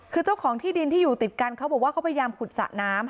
คือเจ้าของที่ดินที่อยู่ติดกันเขาบอกว่าเขาพยายามขุดสระน้ำ